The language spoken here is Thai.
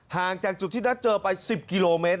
ห่างจากจุดที่นัดเจอไป๑๐กิโลเมตร